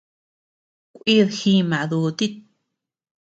Kuid jíma dutit.